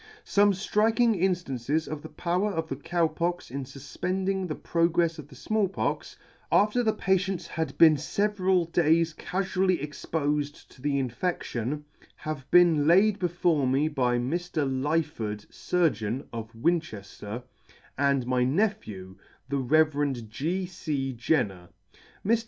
Some ftriking inftances of the power of the Cow Pox in fufpending the progrefs of the Small Pox, after the patients had been feveral days cafually expofed to the infedlion, have been laid before me by Mr. Lyford, Surgeon, of Winchefter, and my nephew, the Rev. G. C. Jenrier. Mr.